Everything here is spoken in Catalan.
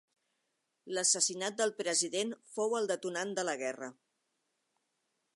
L'assassinat del president fou el detonant de la guerra.